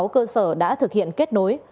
năm mươi sáu cơ sở đã thực hiện kết nối